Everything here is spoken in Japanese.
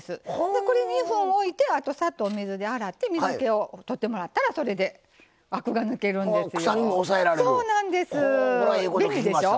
これで置いてあと、さっと水で洗って水けをとってもらったらそれでアクが抜けるんですよ。